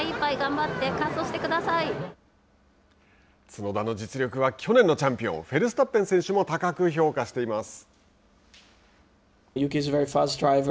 角田の実力は去年のチャンピオンフェルスタッペン選手も高く評価しています。